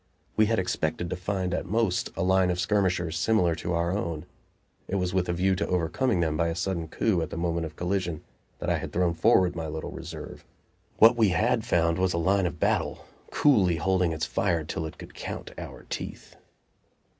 We had expected to find, at most, a line of skirmishers similar to our own; it was with a view to overcoming them by a sudden coup at the moment of collision that I had thrown forward my little reserve. What we had found was a line of battle, coolly holding its fire till it could count our teeth.